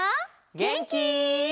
げんき？